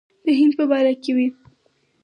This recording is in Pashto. د هند په باره کې وې.